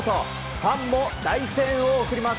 ファンも大声援を送ります。